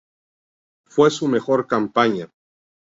Fue su mejor campaña.